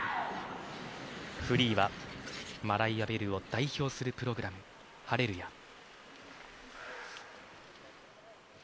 フリーはマライア・ベルを代表するプログラム「ハレルヤ」。